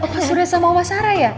opa surian sama omah sarah ya